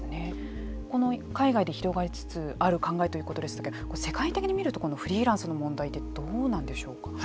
この海外で広がりつつある考えということでしたけどこれ世界的に見るとフリーランスの問題ってどうなんでしょうか。